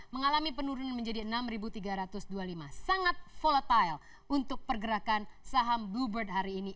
mengalami penurunan menjadi enam tiga ratus dua puluh lima sangat volatile untuk pergerakan saham bluebird hari ini